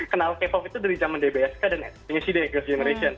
kenal k pop itu dari zaman dbsk dan nec nec deh next generation